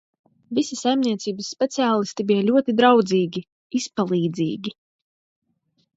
Visi saimniecības speciālisti bija ļoti draudzīgi, izpalīdzīgi.